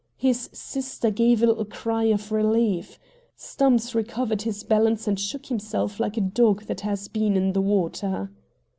His sister gave a little cry of relief. Stumps recovered his balance and shook himself like a dog that has been in the water.